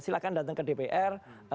silahkan datang ke dpr